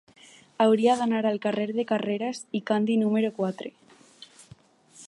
Hauria d'anar al carrer de Carreras i Candi número quatre.